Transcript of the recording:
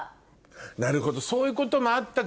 なるほどそういうこともあったから。